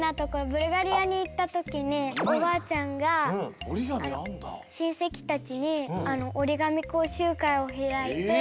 ブルガリアにいったときにおばあちゃんがしんせきたちにおりがみこうしゅうかいをひらいて。